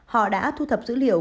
họ đã thu thập dữ liệu